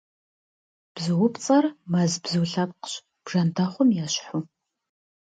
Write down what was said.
Бзуупцӏэр мэз бзу лъэпкъщ, бжэндэхъум ещхьу.